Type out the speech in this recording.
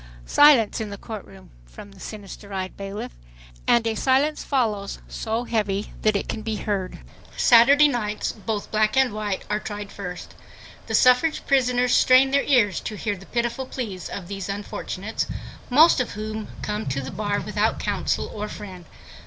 "Silence in the court room," from the sinister eyed bailiff. And a silence. follows so heavy that it can be heard. Saturday night's both black and white—are tried first. The suffrage prisoners strain their ears to hear the pitiful pleas of these unfortunates, most of whom come to the bar without counsel or friend.